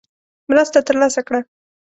مرسته ترلاسه کړه.